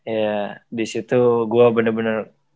ya disitu gue bener bener